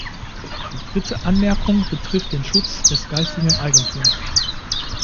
Die dritte Anmerkung betrifft den Schutz des geistigen Eigentums.